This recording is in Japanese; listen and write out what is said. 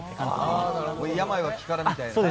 病は気からみたいな。